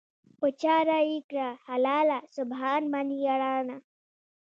"په چاړه یې کړه حلاله سبحان من یرانی".